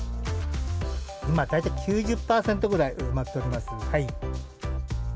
今、大体、９０％ぐらい埋まっております。